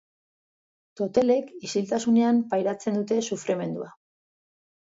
Totelek isiltasunean pairatzen dute sufrimendua.